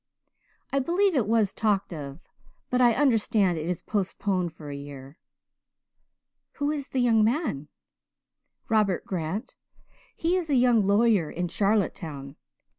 "I believe it was talked of but I understand it is postponed for a year." "Who is the young man?" "Robert Grant. He is a young lawyer in Charlottetown.